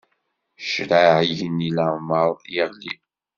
Ccṛeɛ igenni leɛmeṛ iɣli.